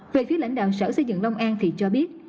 về phía lãnh đạo sở xây dựng long an thì cho biết